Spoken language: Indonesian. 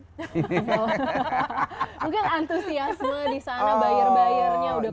mungkin antusiasme di sana buyer buyernya udah kelihatan